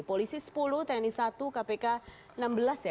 polisi sepuluh tni satu kpk enam belas ya